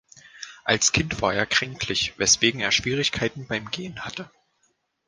Als Kind war er kränklich, weswegen er Schwierigkeiten beim Gehen hatte.